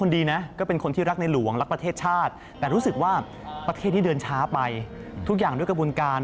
เดินช้าไปทุกอย่างด้วยกระบุญการ